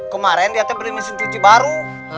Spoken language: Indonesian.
kemarin dia tiap beli mesin cuci baru